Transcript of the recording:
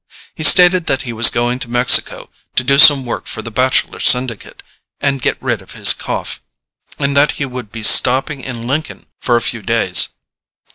He stated that he was going to Mexico to do some work for the Bacheller Syndicate and get rid of his cough, and that he would be stopping in Lincoln for a few days.